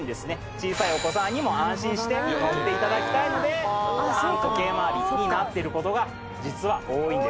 小さいお子さんも安心して乗っていただきたいので反時計回りになっていることが実は多いんです。